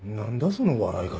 その笑い方。